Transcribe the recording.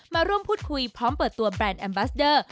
มาร่วมพูดคุยพร้อมเปิดตัวแบรนด์แอมบัสเดอร์